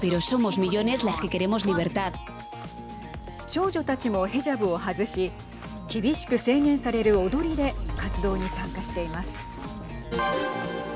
少女たちもヘジャブを外し厳しく制限される踊りで活動に参加しています。